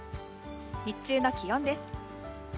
日中の気温です。